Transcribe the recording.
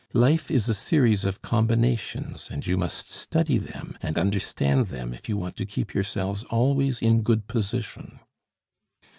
Life is a series of combinations, and you must study them and understand them if you want to keep yourselves always in good position.